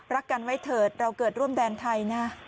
รักกันไว้เถิดเราเกิดร่วมแดนไทยนะ